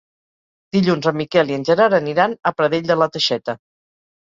Dilluns en Miquel i en Gerard aniran a Pradell de la Teixeta.